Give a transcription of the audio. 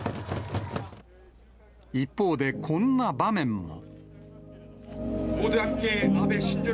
一方で、こんな場面も。